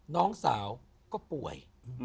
น้องสาวก็ป่วย